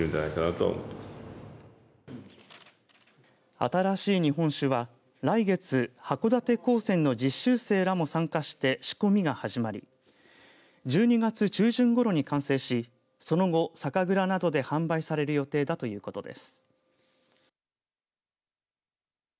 新しい日本酒は来月、函館高専の実習生らも参加して仕込みが始まり１２月中旬ごろに完成しその後、酒蔵などで販売される予定だということです。